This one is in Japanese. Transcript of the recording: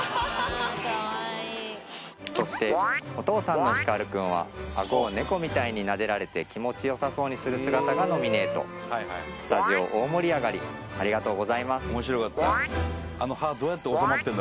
そしてお父さんのヒカルくんはあごを気持ちよさそうにする姿がノミネートスタジオ大盛り上がりありがとうございます